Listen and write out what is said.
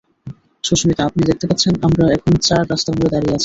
সুস্মিতা, আপনি দেখতে পাচ্ছেন, আমরা এখন চার রাস্তার মোড়ে দাঁড়িয়ে আছি।